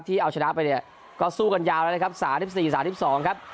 เอาชนะไปเนี่ยก็สู้กันยาวแล้วนะครับ๓๔๓๒ครับ